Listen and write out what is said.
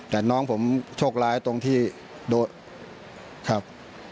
แต่น้องผมโชคร้ายตรงที่โดนครับ